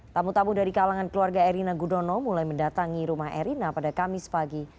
tamu tamu dari kalangan keluarga erina gudono mulai mendatangi rumah erina pada kamis pagi